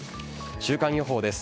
週間予報です。